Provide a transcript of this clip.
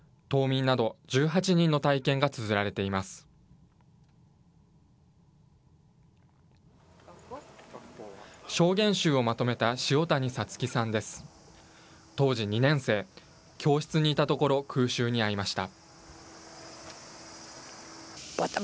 当時２年生、教室にいたところ空襲に遭いました。